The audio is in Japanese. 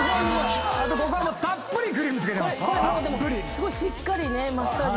すごいしっかりマッサージ。